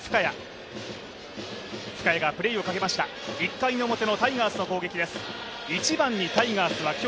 １回表のタイガースの攻撃です。